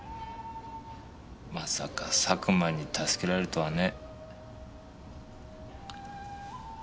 まさか佐久間に助けられるとはね。